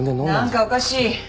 何かおかしい。